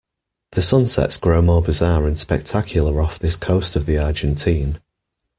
The sunsets grow more bizarre and spectacular off this coast of the Argentine.